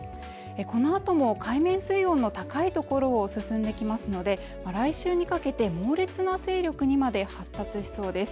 このあとも海面水温の高いところを進んできますので来週にかけて猛烈な勢力にまで発達しそうです。